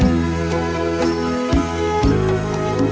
เหมือนคุณล่ะไอ้พี่